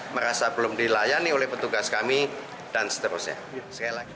merasa belum dilayani oleh petugas kami dan seterusnya